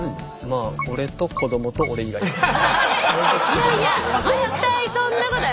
いやいや絶対そんなことない。